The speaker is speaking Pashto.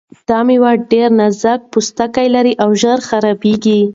دا مېوه ډېر نازک پوستکی لري او ژر خرابیږي.